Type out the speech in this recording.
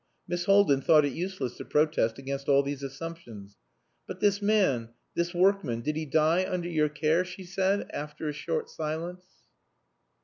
Miss Haldin thought it useless to protest against all these assumptions. "But this man this workman did he die under your care?" she said, after a short silence.